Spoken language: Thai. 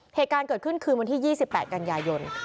เหตุการณ์เกิดขึ้นคืนวันที่๒๘กันยายน